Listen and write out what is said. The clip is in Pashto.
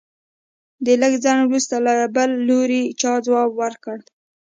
د لږ ځنډ وروسته له بل لوري چا ځواب ورکړ.